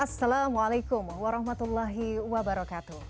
assalamualaikum warahmatullahi wabarakatuh